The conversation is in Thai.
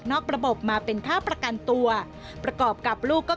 ทำไมเราต้องเป็นแบบเสียเงินอะไรขนาดนี้เวรกรรมอะไรนักหนา